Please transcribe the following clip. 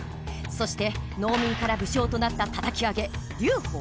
そして農民から武将となったたたき上げ劉邦。